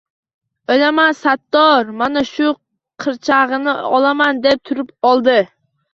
O‘laman sattor, mana shu qirchang‘ini olaman, deb turib oldi.